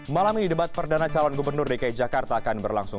malam ini debat perdana calon gubernur dki jakarta akan berlangsung